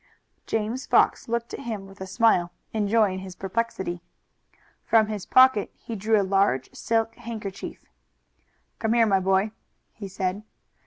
James Fox looked at him with a smile, enjoying his perplexity. From his pocket he drew a large silk handkerchief. "Come here, my boy," he said.